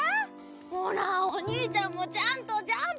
ほらおにいちゃんもちゃんとジャンプして！